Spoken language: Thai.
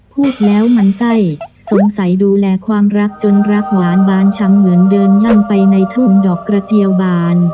พูดแล้วมันไส้สงสัยดูแลความรักจนรักหวานบานช้ำเหมือนเดินลั่นไปในทุ่งดอกกระเจียวบาน